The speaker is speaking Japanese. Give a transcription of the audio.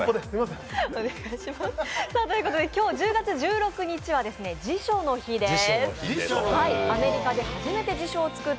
今日１０月１６日は辞書の日です。